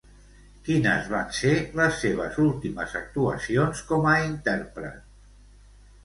Quines van ser les seves últimes actuacions com a intèrpret?